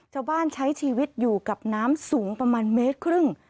ใช้ชีวิตอยู่กับน้ำสูงประมาณเมตรครึ่ง